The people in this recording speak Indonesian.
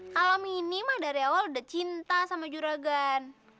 kalau mini mah dari awal udah cinta sama juragan